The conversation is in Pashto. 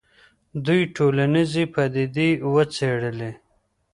دوی ټولنیزې پدیدې وڅېړلې.